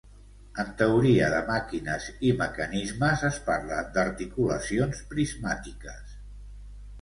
En teoria de màquines i mecanismes es parla d'articulacions prismàtiques.